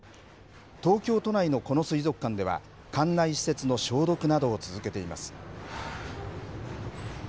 東京都内のこの水族館では館内設備を消毒などを続けています。